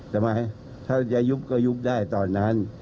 ทำไมถ้าจะยุบก็ยุบได้ตอนนั้น